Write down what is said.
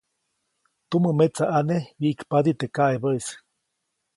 Tumämetsaʼane wyiʼkpadi teʼ kaʼebäʼis.